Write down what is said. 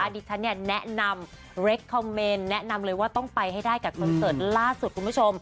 ดิฉันแนะนำเรคคอมเมนต์แนะนำเลยว่าต้องไปให้ได้กับคอนเสิร์ตล่าสุดคุณผู้ชม